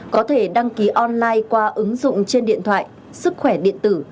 có thể đăng ký online qua ứng dụng trên điện thoại sức khỏe điện tử